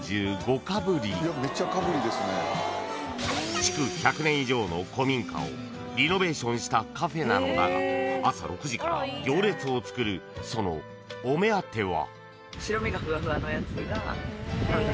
［築１００年以上の古民家をリノベーションしたカフェなのだが朝６時から行列をつくるそのお目当ては？］